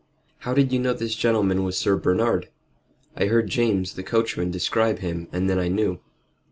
"How did you know this gentleman was Sir Bernard?" "I heard James the coachman describe him, and then I knew."